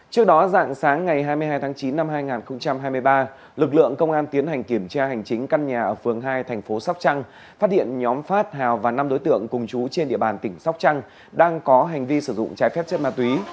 trước đó dạng sáng ngày hai mươi hai tháng chín năm hai nghìn hai mươi ba lực lượng công an tiến hành kiểm tra hành chính căn nhà ở phường hai thành phố sóc trăng phát hiện nhóm phát hào và năm đối tượng cùng chú trên địa bàn tỉnh sóc trăng đang có hành vi sử dụng trái phép chất ma túy